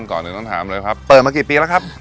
ก่อนอื่นต้องถามเลยครับเปิดมากี่ปีแล้วครับ